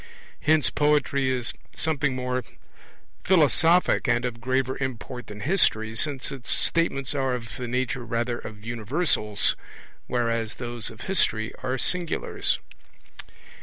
Hence poetry is something more philosophic and of graver import than history, since its statements are of the nature rather of universals, whereas those of history are singulars.